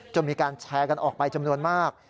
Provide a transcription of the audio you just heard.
มีการแชร์กันออกไปจำนวนมาก